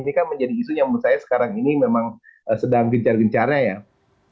ketidakadiran putin di g dua puluh sangat disayangkan karena perang drs pada saat itu sudah absen pasti rusia akan hadir